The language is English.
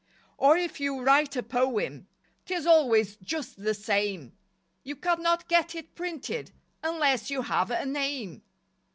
Or if you write a poem, 'Tis always just the same, You cannot get it printed Unless you have a "name."